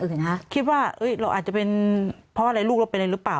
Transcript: สิคะคิดว่าเราอาจจะเป็นเพราะอะไรลูกเราเป็นอะไรหรือเปล่า